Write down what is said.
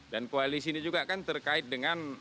dan koalisi ini juga kan terkait dengan